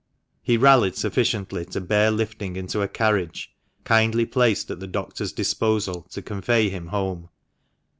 He rallied sufficiently to bear lifting into a carriage, kindly placed at the doctor's disposal to convey him home.